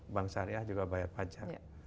bank syariah juga bayar pajak